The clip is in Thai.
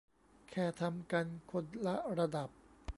แค่ทำกันคนละระดับ